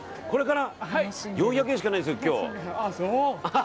４００円しかないんです、今日。